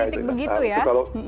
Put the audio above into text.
titik titik begitu ya